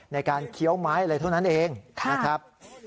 เคี้ยวไม้อะไรเท่านั้นเองนะครับ